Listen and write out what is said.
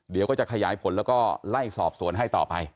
เดี๋ยวก็จะขยายผลแล้วก็ไล่สอบสวนให้ต่อไป